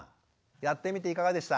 やってみていかがでした？